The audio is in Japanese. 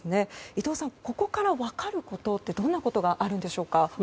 伊藤さん、ここから分かることはどんなことがあるんでしょう？